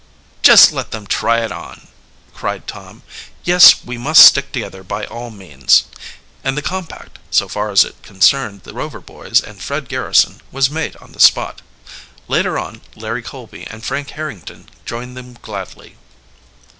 "Just let them try it on!" cried Tom. "Yes, we must stick together by all means." And the compact, so far as it concerned the Rover boys and Fred Garrison, was made on the spot. Later on Larry Colby and Frank Harrington joined them gladly.